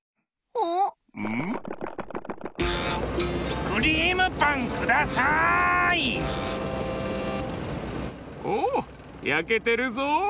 おおやけてるぞ。